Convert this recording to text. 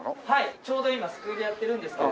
ちょうど今スクールやってるんですけれど。